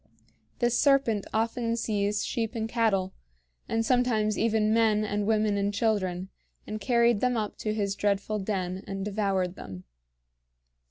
This serpent often seized sheep and cattle, and sometimes even men and women and children, and carried them up to his dreadful den and devoured them.